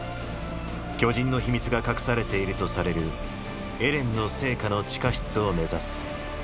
巨人の秘密が隠されているとされるエレンの生家の地下室を目指す。